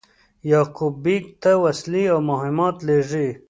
یعقوب بېګ ته وسلې او مهمات لېږي.